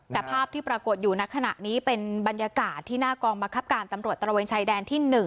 แต่ภาพที่ปรากฏอยู่ในขณะนี้เป็นบรรยากาศที่หน้ากองบังคับการตำรวจตระเวนชายแดนที่๑